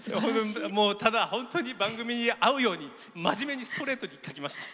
ただ、本当に番組に合うように真面目にストレートに書きました。